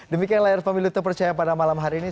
demikian layar pemilu terpercaya pada malam hari ini